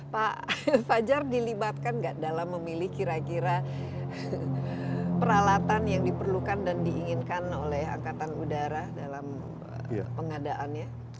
pak fajar dilibatkan nggak dalam memilih kira kira peralatan yang diperlukan dan diinginkan oleh angkatan udara dalam pengadaannya